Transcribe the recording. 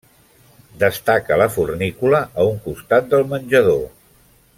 Destaca la fornícula, a un costat del menjador.